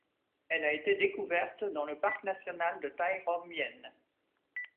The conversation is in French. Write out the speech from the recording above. Elle a été découverte dans le parc national de Tai Rom Yen.